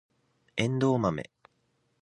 エンドウマメ